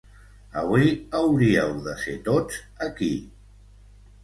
Avui hauríeu de ser tots aquí.